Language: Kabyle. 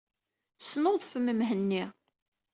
Snuḍfem Mhenni.